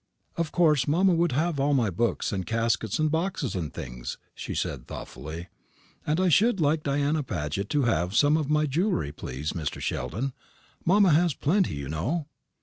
"Of course, mamma would have all my books and caskets, and boxes and things," she said thoughtfully; "and I should like Diana Paget to have some of my jewellery, please, Mr. Sheldon. Mamma has plenty, you know."